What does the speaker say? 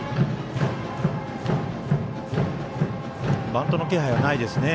バントの気配はないですね。